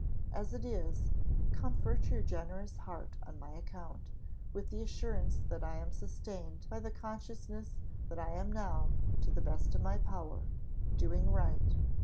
As it is, comfort your generous heart on my account, with the assurance that I am sustained by the consciousness that I am now, to the best of my power, doing right.